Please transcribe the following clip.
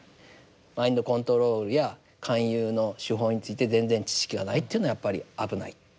マインドコントロールや勧誘の手法について全然知識がないというのはやっぱり危ない。